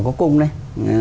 có cung đây